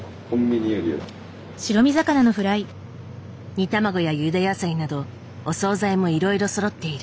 煮卵やゆで野菜などお総菜もいろいろそろっている。